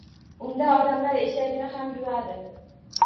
Unda odamlar eshagini ham yuvadi